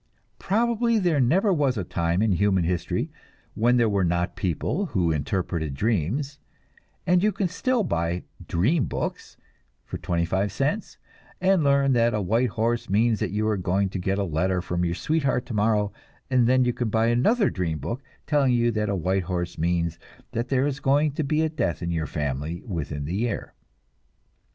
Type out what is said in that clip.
Probably there never was a time in human history when there were not people who interpreted dreams, and you can still buy "dream books" for twenty five cents, and learn that a white horse means that you are going to get a letter from your sweetheart tomorrow; then you can buy another dream book, telling you that a white horse means there is going to be a death in your family within the year.